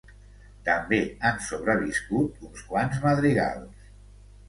També han sobreviscut uns quants madrigals.